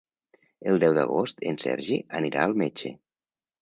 El deu d'agost en Sergi anirà al metge.